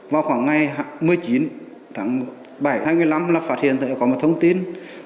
vào khoảng ngày một mươi chín tháng bảy hai mươi năm là phát hiện có một thông tin